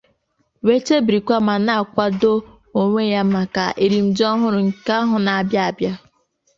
wee chebirikwa ma na-akwado onwe ya maka erimji ọhụrụ nke ahọ na-abịa abịa.